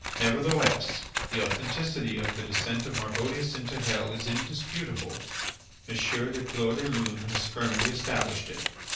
Nevertheless, the authenticity of the "Descent of Marbodius into Hell" is indisputable. M. du Clos des Lunes has firmly established it.